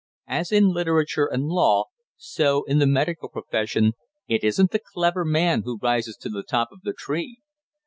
As in literature and law, so in the medical profession, it isn't the clever man who rises to the top of the tree.